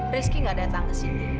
rizky gak datang kesini